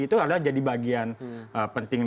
itu adalah jadi bagian penting